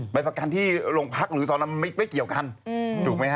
ไปประกันที่โรงพักหรือสอนไม่เกี่ยวกันถูกไหมฮะ